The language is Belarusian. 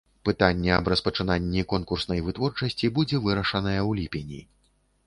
Пытанне аб распачынанні конкурснай вытворчасці будзе вырашанае ў ліпені.